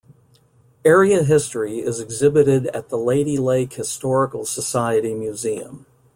Area history is exhibited at the Lady Lake Historical Society Museum.